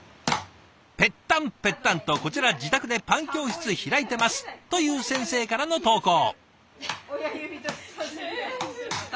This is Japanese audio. ペッタンペッタンとこちら自宅でパン教室開いてます！という先生からの投稿。